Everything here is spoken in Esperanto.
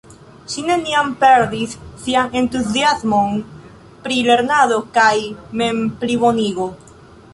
Ŝi neniam perdis sian entuziasmon pri lernado kaj memplibonigo.